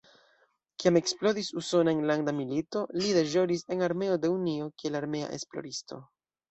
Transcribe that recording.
Kiam eksplodis Usona enlanda milito, li deĵoris en armeo de Unio kiel armea esploristo.